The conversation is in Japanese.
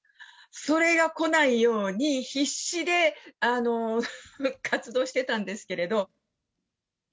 それが来ないように、必死で活動してたんですけれど。